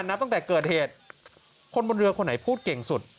นับตั้งแต่เกิดเหตุคนบนเรือคนไหนพูดเก่งสุด